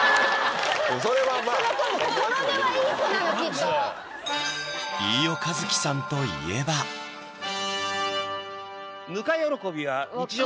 それはまぁその子も心根はいい子なのきっと飯尾和樹さんといえばぬか喜びは日常